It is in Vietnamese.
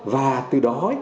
và từ đó